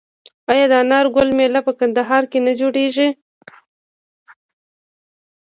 آیا د انار ګل میله په کندهار کې نه جوړیږي؟